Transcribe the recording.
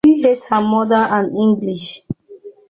Rui hates her mother and English.